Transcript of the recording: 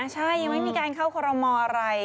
ใช่ยังไม่มีการเข้าคอรมออะไร